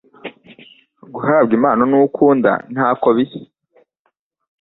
Guhabwa Impano nuwo ukunda ntako bisa